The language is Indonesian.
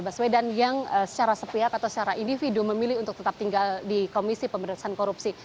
baswedan yang secara sepihak atau secara individu memilih untuk tetap tinggal di komisi pemberantasan korupsi